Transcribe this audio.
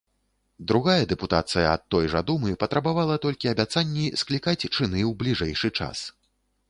Другая дэпутацыя ад той жа думы патрабавала толькі абяцанні склікаць чыны ў бліжэйшы час.